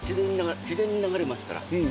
自然に流れますから。